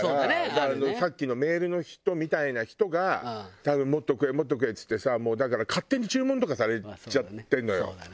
だからさっきのメールの人みたいな人が多分もっと食えもっと食えっつってさだから勝手に注文とかされちゃってるのよ。